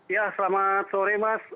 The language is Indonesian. ya selamat sore mas